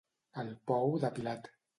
El pou de Pilat.